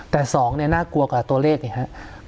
แต่สองเนี่ยน่ากลัวกับตัวเลขเนี่ยครับ